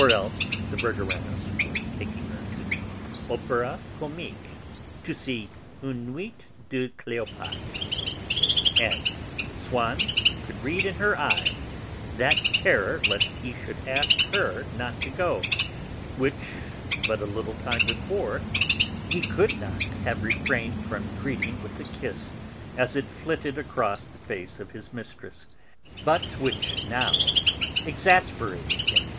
Or else the Verdurins were taking her to the Opéra Comique, to see Une Nuit de Cléopâtre, and Swann could read in her eyes that terror lest he should ask her not to go, which, but a little time before, he could not have refrained from greeting with a kiss as it flitted across the face of his mistress, but which now exasperated him.